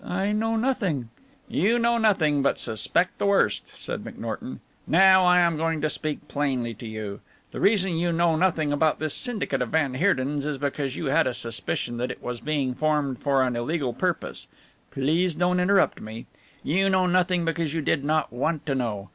I know nothing " "You know nothing, but suspect the worst," said McNorton. "Now I am going to speak plainly to you. The reason you know nothing about this syndicate of van Heerden's is because you had a suspicion that it was being formed for an illegal purpose please don't interrupt me you know nothing because you did not want to know.